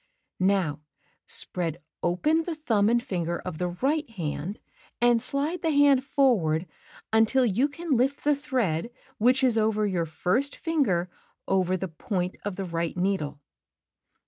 Cut 2 Now spread open the thumb and finger of the right hand, and sHde the hand forward until you can lift the thread which is over your first finger over the point of the right needle.